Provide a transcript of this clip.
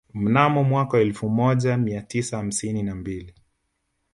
Mnamo mwaka elfu moja mia tisa hamsini na mbili